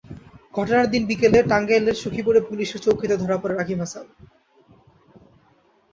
ঘটনার দিন বিকেলে টাঙ্গাইলের সখীপুরে পুলিশের চৌকিতে ধরা পড়ে রাকিব হাসান।